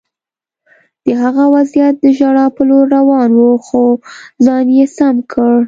د هغه وضعیت د ژړا په لور روان و خو ځان یې سم کړ